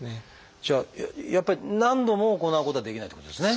じゃあやっぱり何度も行うことはできないってことですね。